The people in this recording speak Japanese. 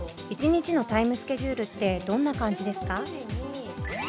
１日のタイムスケジュールってどんな感じですか？